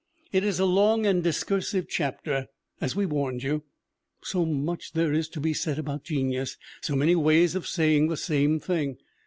It is a long and discursive chapter, as we warned you. So much there is to be said about genius, so many ways of saying the same thing